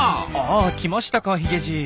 あ来ましたかヒゲじい。